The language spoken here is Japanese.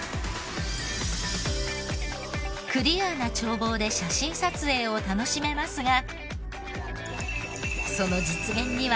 クリアな眺望で写真撮影を楽しめますが。